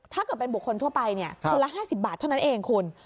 ถ้าเกิดเป็นบุคคลทั่วไปเนี่ยคนละ๕๐บาทเท่านั้นเองคุณ